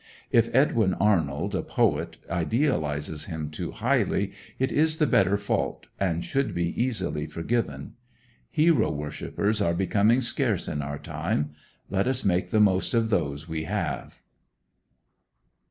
If Edwin Arnold, a poet, idealizes him too highly, it is the better fault, and should be easily forgiven. Hero worshipers are becoming scarce in our time; let us make the most of those we have.